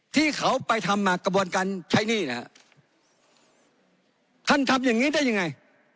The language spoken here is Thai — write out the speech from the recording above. ที่เขาไปทำมากระบวนการใช้หนี้นะฮะท่านทำอย่างงี้ได้ยังไง